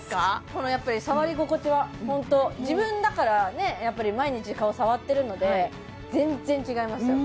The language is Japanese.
このやっぱり触り心地はホント自分だからねやっぱり毎日顔触ってるので全然違いますよ